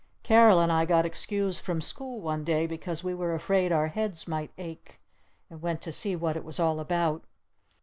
Carol and I got excused from school one day because we were afraid our heads might ache, and went to see what it was all about.